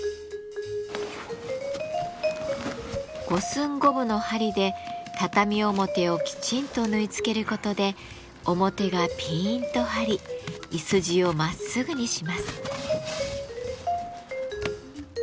五寸五分の針で畳表をきちんと縫い付けることで表がピンと張りいすじをまっすぐにします。